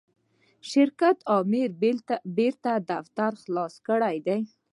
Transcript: شرکت آمر بیرته دفتر خلاص کړی دی.